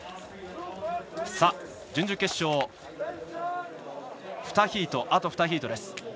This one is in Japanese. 準々決勝、あと２ヒート。